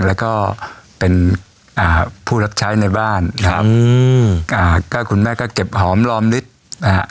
แล้วก็เป็นอ่าผู้รับใช้ในบ้านนะครับอืมอ่าก็คุณแม่ก็เก็บหอมรอมลิตรนะฮะ